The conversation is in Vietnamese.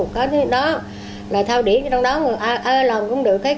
có những đó là thao điện trong đó lồn cũng được